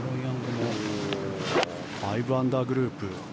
５アンダーグループ。